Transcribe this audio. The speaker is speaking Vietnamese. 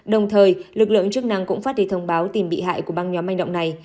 đồng thời lực lượng chức năng cũng phát đi thông báo tìm bị hại của băng nhóm manh động này